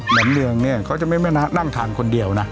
เหมือนเรืองเนี่ยเขาจะไม่นั่งทานคนเดียวนะ